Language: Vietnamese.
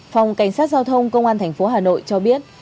phòng cảnh sát giao thông công an thành phố hà nội cho biết